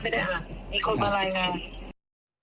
แต่คุณแม่ไม่ได้ฮะมีคนมารัยนะ